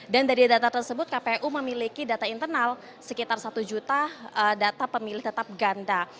dan dari data tersebut kpu memiliki data internal sekitar satu juta data pemilih tetap ganda